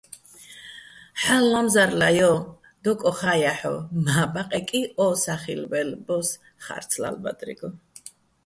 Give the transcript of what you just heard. "ჰალო̆ ლა́მზარლა, ჲო!" - დო კოხა́ ჲაჰ̦ოვ, მა ბაყეკი ო სახილბელ ბოს ხა́რცლა́ლო̆ ბადრიგო.